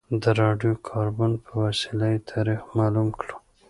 د راډیو کاربن په وسیله یې تاریخ معلوم کړو.